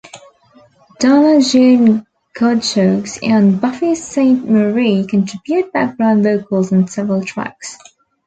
Donna Jean Godchaux and Buffy Sainte-Marie contribute background vocals on several tracks.